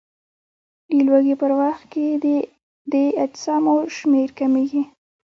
د لوږې په وخت کې د دې اجسامو شمېر کمیږي.